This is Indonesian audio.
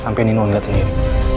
sampai nino lihat sendiri